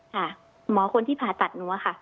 หมอคนที่ผ่าตัดหนูอะค่ะ